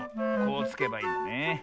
こうつけばいいのね。